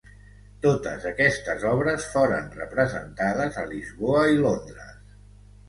Totes aquestes obres foren representades a Lisboa i Londres.